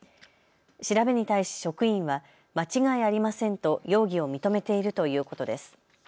調べに対し職員は間違いありませんと容疑を認めているということです。